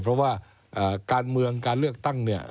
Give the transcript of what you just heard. เพราะว่าการเมืองการเลือกตั้งเนี่ย